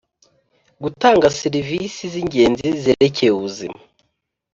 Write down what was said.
Gutanga serivisi z’ingenzi zerekeye ubuzima